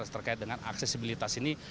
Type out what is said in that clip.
terkait dengan aksesibilitas ini